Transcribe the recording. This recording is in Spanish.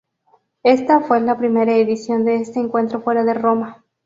Esta fue la primera edición de este encuentro fuera de Roma.